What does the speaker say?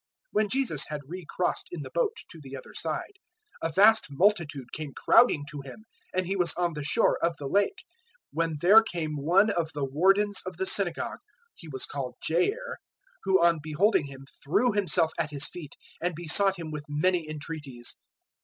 005:021 When Jesus had re crossed in the boat to the other side, a vast multitude came crowding to Him; and He was on the shore of the Lake, 005:022 when there came one of the Wardens of the Synagogue he was called Jair who, on beholding Him, threw himself at His feet, 005:023 and besought Him with many entreaties.